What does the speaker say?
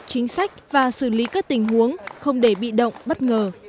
chính sách và xử lý các tình huống không để bị động bất ngờ